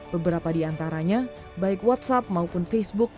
beberapa di antaranya baik whatsapp maupun facebook